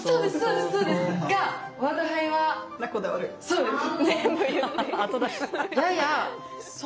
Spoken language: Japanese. そうです。